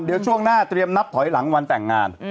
เดี๋ยวช่วงหน้าเตรียมนับถอยหลังวันแต่งงาน